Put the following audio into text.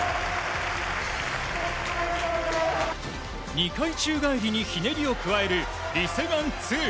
２回宙返りにひねりを加えるリ・セグァン２。